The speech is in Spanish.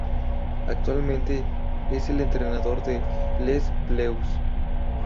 Actualmente es el entrenador de Les Bleus.